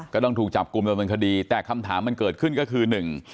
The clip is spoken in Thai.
ก็ต้องถูกจับกลุ่มดำเนินคดีแต่คำถามมันเกิดขึ้นก็คือหนึ่ง